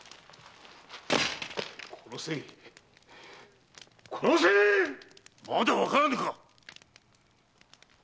殺せ殺せっ‼まだわからぬかっ！